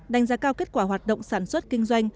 đánh giá cao kết quả hoạt động sản xuất kinh doanh